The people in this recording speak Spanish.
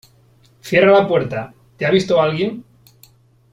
cierra la puerta .¿ te ha visto alguien ?